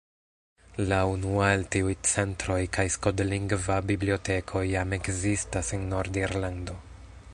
La unua el tiuj centroj kaj skotlingva biblioteko jam ekzistas en Nord-Irlando.